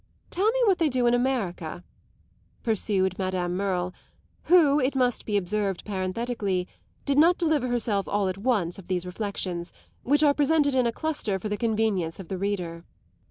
Tell me what they do in America," pursued Madame Merle, who, it must be observed parenthetically, did not deliver herself all at once of these reflexions, which are presented in a cluster for the convenience of the reader.